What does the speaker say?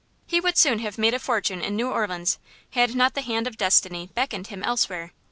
He would soon have made a fortune in New Orleans, had not the hand of destiny beckoned him elsewhere.